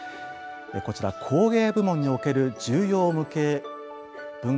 こちら「工芸部門における重要無形文化財保持者」